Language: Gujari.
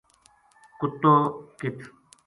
کُتو ک